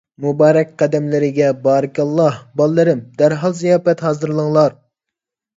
مۇبارەك قەدەملىرىگە بارىكاللاھ، بالىلىرىم، دەرھال زىياپەت ھازىرلاڭلار!